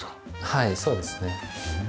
はいそうですね。